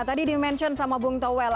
tadi di mention sama bung towel